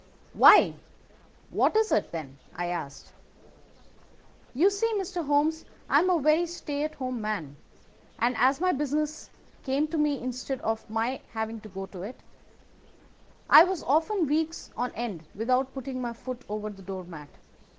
"'Why, what is it, then?' I asked. You see, Mr. Holmes, I am a very stay at home man, and as my business came to me instead of my having to go to it, I was often weeks on end without putting my foot over the door mat.